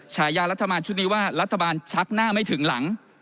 ฉายารัฐบาลชุดนี้ว่ารัฐบาลชักหน้าไม่ถึงหลัง